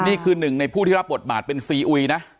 นี่คือหนึ่งในผู้ที่รับบทบาทเป็นซีอุยนะ